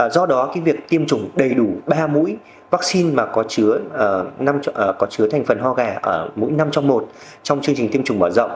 do đó việc tiêm chủng đầy đủ ba mũi vaccine có chứa thành phần hò gà ở mũi năm trong một trong chương trình tiêm chủng mở rộng